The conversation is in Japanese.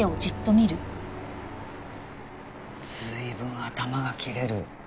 随分頭が切れる。